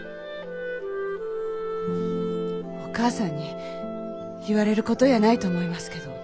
お義母さんに言われることやないと思いますけど。